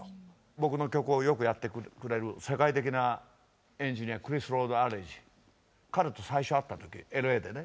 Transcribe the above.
僕の曲をよくやってくれる世界的なエンジニアクリス・ロード・アルジ彼と最初会った時ＬＡでね